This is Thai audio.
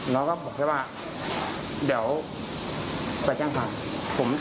เราก็บอกใช่ป่ะเดี๋ยวไปแจ้งภารกิจ